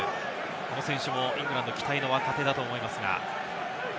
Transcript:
この選手もイングランド期待の若手だと思いますが。